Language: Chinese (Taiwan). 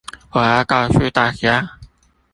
我要告訴大家